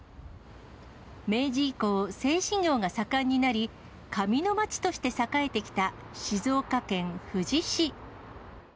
明治以降、製紙業が盛んになり、紙のまちとして栄えてきた静岡県富士市。